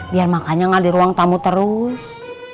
biar makannya enggak ada ruang tamu terus